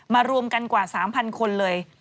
รวมกันกว่า๓๐๐คนเลย